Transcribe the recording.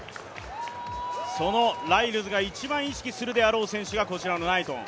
そのライルズが一番意識するであろう選手がナイトン。